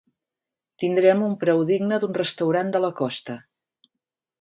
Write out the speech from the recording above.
Tindrem un preu digne d'un restaurant de la costa.